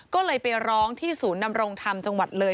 ก็เลยไปร้องที่ศูนย์นำรงธรรมจังหวัดเลย